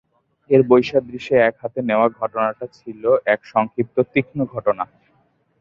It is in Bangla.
এর বৈসাদৃশ্যে, এক হাতে নেওয়া ঘটনাটা ছিল এক সংক্ষিপ্ত, তীক্ষ্ণ ঘটনা।